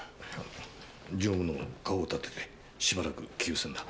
常務の顔を立ててしばらく休戦だ。